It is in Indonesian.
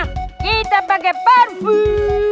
kita pakai parfum